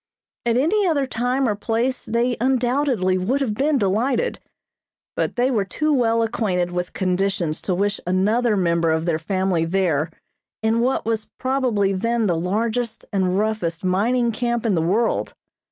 At any other time or place they undoubtedly would have been delighted, but they were too well acquainted with conditions to wish another member of their family there in what was probably then the largest and roughest mining camp in the world.